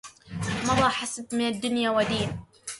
مضى حسب من الدنيا ودين